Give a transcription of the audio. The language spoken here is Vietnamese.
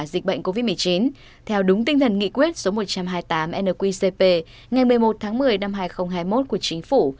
dịch bệnh covid một mươi chín theo đúng tinh thần nghị quyết số một trăm hai mươi tám nqcp ngày một mươi một tháng một mươi năm hai nghìn hai mươi một của chính phủ